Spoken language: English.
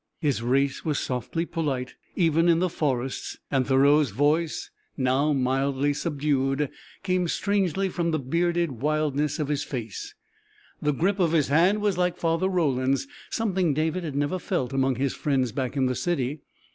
His race was softly polite, even in the forests, and Thoreau's voice, now mildly subdued, came strangely from the bearded wildness of his face. The grip of his hand was like Father Roland's something David had never felt among his friends back in the city.